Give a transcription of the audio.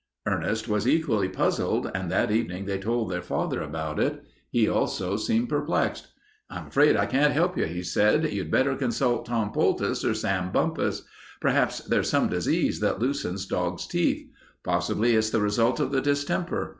Ernest was equally puzzled, and that evening they told their father about it. He also seemed perplexed. "I'm afraid I can't help you," said he. "You'd better consult Tom Poultice or Sam Bumpus. Perhaps there's some disease that loosens dogs' teeth. Possibly it's the result of the distemper.